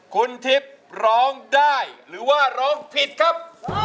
คุณทิพย์ร้องได้หรือว่าร้องผิดครับ